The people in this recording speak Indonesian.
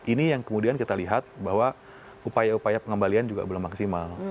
ini yang kemudian kita lihat bahwa upaya upaya pengembalian juga belum maksimal